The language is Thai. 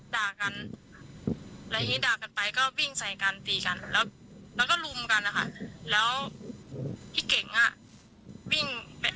พูดถูกก็ไม่รู้ว่าพวกนี้เปล่าหรือเปล่ายังไงแล้วคุกกันเลยนะครับ